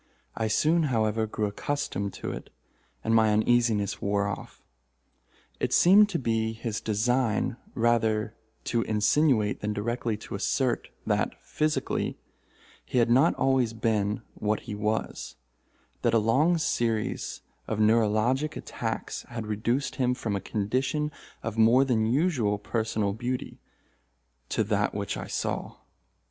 I soon, however, grew accustomed to it, and my uneasiness wore off. It seemed to be his design rather to insinuate than directly to assert that, physically, he had not always been what he was—that a long series of neuralgic attacks had reduced him from a condition of more than usual personal beauty, to that which I saw.